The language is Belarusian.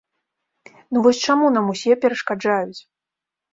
Ну вось чаму нам усе перашкаджаюць?